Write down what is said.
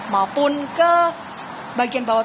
maupun ke bagian bawah